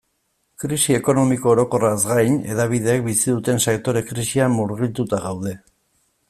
Krisi ekonomiko orokorraz gain, hedabideek bizi duten sektore-krisian murgilduta gaude.